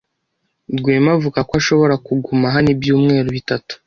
Rwema avuga ko ashobora kuguma hano ibyumweru bitatu.